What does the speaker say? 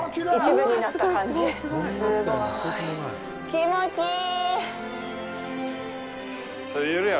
気持ちいい。